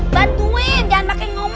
bantuin jangan pake ngomong